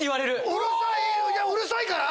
うるさいから？